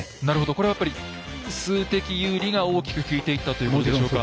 これはやっぱり数的有利が大きく効いていったということでしょうか？